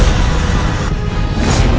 mereka mencari mati